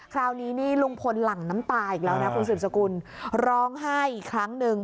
คราวนี้นี่ลุงพลหลั่งน้ำตาอีกแล้วนะคุณสืบสกุลร้องไห้อีกครั้งหนึ่ง